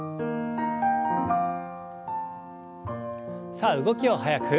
さあ動きを速く。